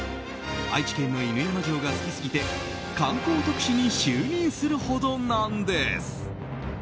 愛知県の犬山城が好きすぎて観光特使に就任するほどなんです。